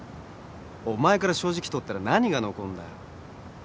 お前から正直取ったら何が残んだよ？